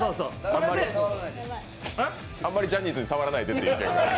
あんまりジャニーズに触らないでっていう意見が。